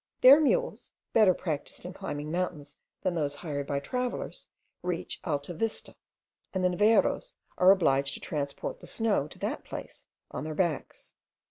Their mules, better practised in climbing mountains than those hired by travellers, reach Alta Vista, and the neveros are obliged to transport the snow to that place on their backs.